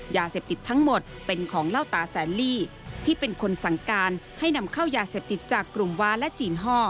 ยาเสพติดทั้งหมดเป็นของเล่าตาแสนลี่ที่เป็นคนสั่งการให้นำเข้ายาเสพติดจากกลุ่มว้าและจีนฮ่อ